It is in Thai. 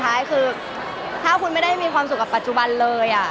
มันเป็นเรื่องน่ารักที่เวลาเจอกันเราต้องแซวอะไรอย่างเงี้ย